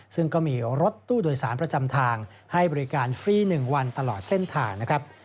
ซึ่งก็มีรถตู้โดยสารประจำทางให้บริการฟรี๑วันตลอดเส้นทางนะครับ